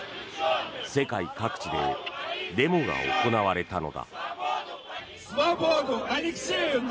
世界各地でデモが行われたのだ。